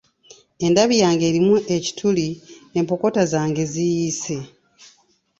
Endabi yange erimu ekituli, empokota zange ziyiise.